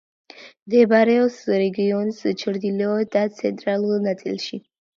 მდებარეობს რეგიონის ჩრდილოეთ და ცენტრალურ ნაწილში.